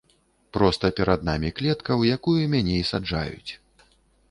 Проста перад намі клетка, у якую мяне і саджаюць.